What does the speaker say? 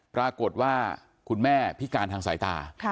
ปรากฏว่าคุณแม่พิการทางสายตา